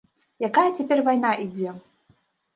Якая цяпер вайна ідзе?